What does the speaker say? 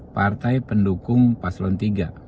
partai pendukung paslon tiga